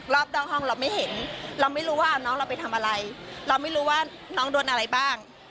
รอบนอกห้องเราไม่เห็นเราไม่รู้ว่าน้องเราไปทำอะไรเราไม่รู้ว่าน้องโดนอะไรบ้าง